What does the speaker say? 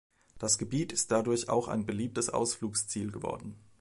Das Gebiet ist dadurch auch ein beliebtes Ausflugsziel geworden.